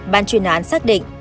ban chuyên án xác định